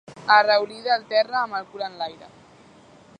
Arraulida al terra, amb el cul enlaire.